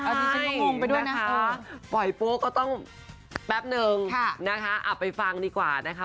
ใช่ปล่อยโป๊ะก็ต้องแป๊บนึงอับไปฟังดีกว่านะคะ